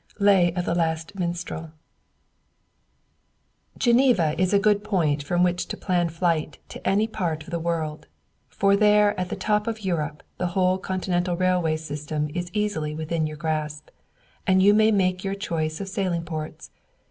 Lay of the Last Minstrel. Geneva is a good point from which to plan flight to any part of the world, for there at the top of Europe the whole continental railway system is easily within your grasp, and you may make your choice of sailing ports.